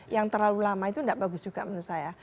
yang terlalu lama itu tidak bagus juga menurut saya